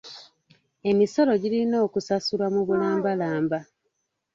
Emisolo girina okusasulwa mu bulambalamba.